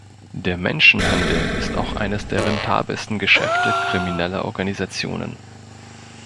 Der Menschenhandel ist auch eines der rentabelsten Geschäfte krimineller Organisationen.